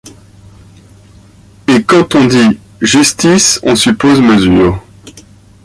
Et quand on dit : justice, on suppose mesure.